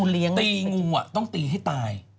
ตีงูต้องตีให้ตาย